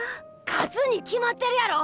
勝つに決まってるやろ！